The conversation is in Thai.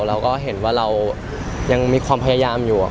เราก็เห็นว่าเรายังมีความพยายามอยู่